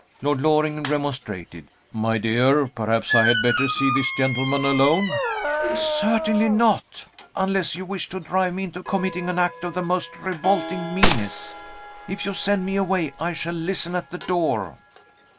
Lord Loring remonstrated. "My dear! perhaps I had better see this gentleman alone?" "Certainly not unless you wish to drive me into committing an act of the most revolting meanness! If you send me away I shall listen at the door."